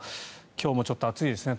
今日もちょっと暑いですね。